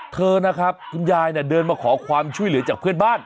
เธอนะครับคุณยายเนี่ยเดินมาขอความช่วยเหลือจากเพื่อนบ้าน